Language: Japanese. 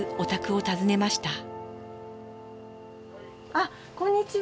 あっこんにちは。